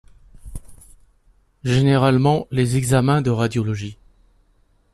Généralement les examens de radiologie.